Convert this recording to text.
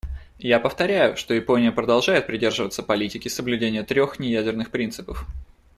Я повторяю, что Япония продолжает придерживаться политики соблюдения трех неядерных принципов.